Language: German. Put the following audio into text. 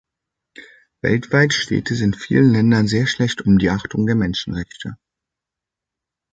Weltweit steht es in vielen Ländern sehr schlecht um die Achtung der Menschenrechte.